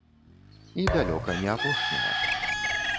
І далёка не апошняя.